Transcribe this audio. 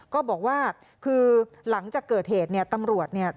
ก็บอกว่าคือหลังจากเกิดเหตุเนี่ยตำรวจเนี่ย